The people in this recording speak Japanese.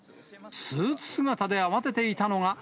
スーツ姿で慌てていたのが。